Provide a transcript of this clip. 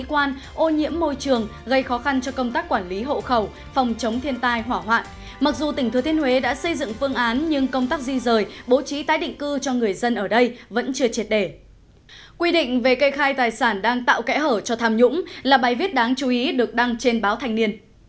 quy định về cây khai tài sản đang tạo kẽ hở cho tham nhũng là bài viết đáng chú ý được đăng trên báo thành niên